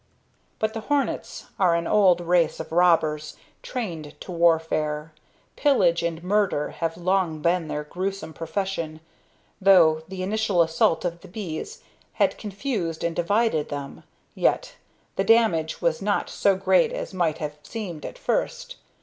But the hornets are an old race of robbers, trained to warfare. Pillage and murder have long been their gruesome profession. Though the initial assault of the bees had confused and divided them, yet the damage was not so great as might have seemed at first.